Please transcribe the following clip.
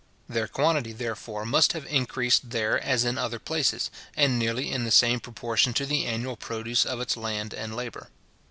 Their quantity, therefore, must have increased there as in other places, and nearly in the same proportion to the annual produce of its land and labour.